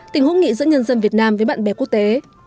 tình hữu nghị giữa nhân dân việt nam với bạn bè quốc tế